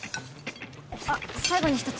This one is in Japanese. あっ最後に一つ！